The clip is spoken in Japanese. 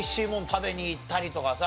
食べに行ったりとかさ